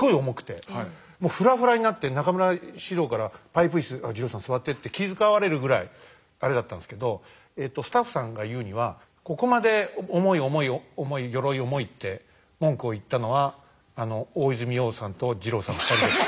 ふらふらになって中村獅童から「パイプ椅子二朗さん座って」って気遣われるぐらいあれだったんですけどスタッフさんが言うにはここまで「重い重い重い鎧重い」って文句を言ったのは大泉洋さんと二朗さんの２人です。